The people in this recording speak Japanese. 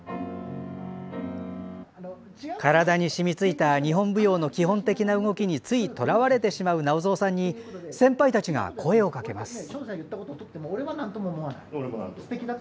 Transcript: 体に染み付いた日本舞踊の基本的な動きについとらわれてしまう直三さんに先輩たちが声をかけます。